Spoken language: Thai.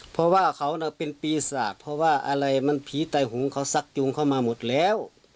เพราะว่าเขาเป็นปีศาจเพราะว่าอะไรมันผีไตหงเขาซักจูงเข้ามาหมดแล้ว